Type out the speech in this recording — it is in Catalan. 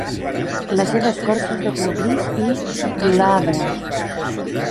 La seva escorça és de color gris i glabre.